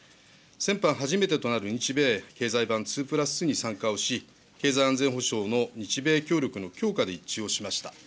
先般、初めてとなる日米経済版２プラス２に参加をし、経済安全保障の日米協力の強化で一致をしました。